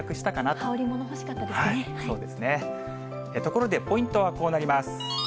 ところでポイントはこうなります。